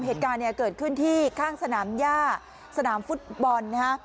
เหตุการณ์เกิดขึ้นที่ข้างสนามหญ้าสนามฟุตบอล